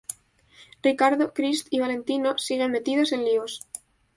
Ricardo, Crist y Valentino siguen metidos en líos.